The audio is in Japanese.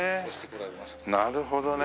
なるほどね。